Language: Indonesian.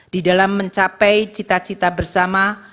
di dalam mencapai cita cita bersama